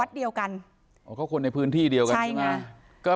เดียวกันอ๋อเขาคนในพื้นที่เดียวกันใช่ไหมก็